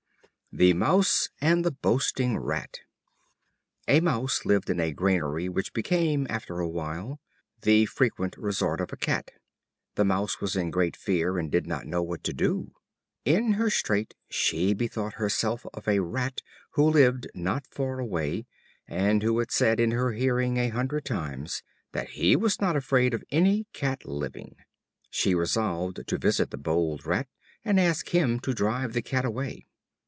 The Mouse and the Boasting Rat. A Mouse lived in a granary which became, after a while, the frequent resort of a Cat. The Mouse was in great fear and did not know what to do. In her strait, she bethought herself of a Rat who lived not far away, and who had said in her hearing a hundred times that he was not afraid of any cat living. She resolved to visit the bold Rat and ask him to drive the Cat away.